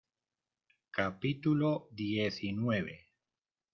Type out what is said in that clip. capítulo diecinueve.